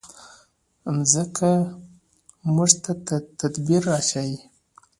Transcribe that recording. مځکه موږ ته تدبر راښيي.